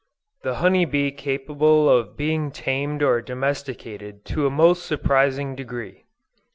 THE HONEY BEE CAPABLE OF BEING TAMED OR DOMESTICATED TO A MOST SURPRISING DEGREE.